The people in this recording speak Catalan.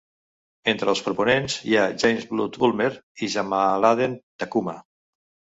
Entre els proponents hi ha James Blood Ulmer i Jamaaladeen Tacuma.